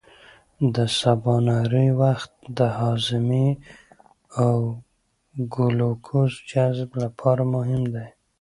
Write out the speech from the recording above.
د سباناري وخت د هاضمې او ګلوکوز جذب لپاره مهم دی.